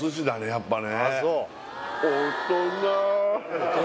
やっぱね